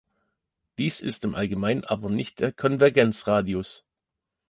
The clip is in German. Dies ist im Allgemeinen aber nicht der Konvergenzradius.